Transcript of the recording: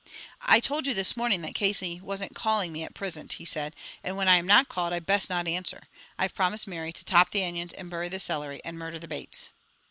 "I told you this morning that Casey wasn't calling me at prisent," he said, "and whin I am not called I'd best not answer. I have promised Mary to top the onions and bury the cilery, and murder the bates."